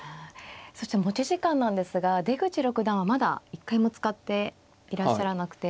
そして持ち時間なんですが出口六段はまだ一回も使っていらっしゃらなくて。